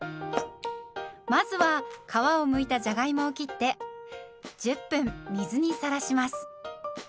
まずは皮をむいたじゃがいもを切って１０分水にさらします。